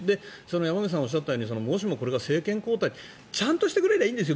山口さんがおっしゃったようにもしもこれが政権交代ちゃんとしてくれればいいんですよ。